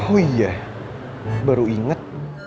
oh iya baru inget